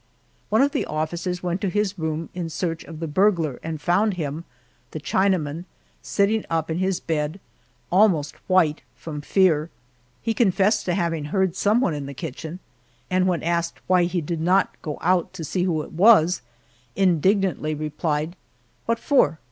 One of the officers went to his room in search of the burglar and found him the Chinaman sitting up in his bed, almost white from fear. He confessed to having heard some one in the kitchen, and when asked why he did not go out to see who it was, indignantly replied, "What for?